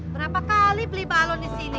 berapa kali beli balon di sini